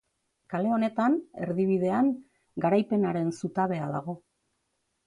Kale honetan, erdi bidean, Garaipenaren Zutabea dago.